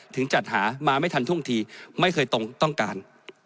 ถึงจัดหามาไม่ทันทุ่งทีไม่เคยต้องการ